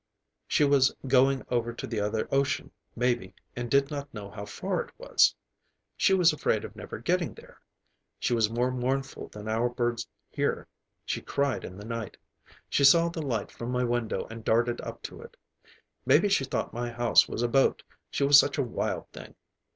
She was going over to the other ocean, maybe, and did not know how far it was. She was afraid of never getting there. She was more mournful than our birds here; she cried in the night. She saw the light from my window and darted up to it. Maybe she thought my house was a boat, she was such a wild thing.